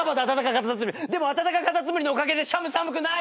でもあたたかカタツムリのおかげでシャム寒くない。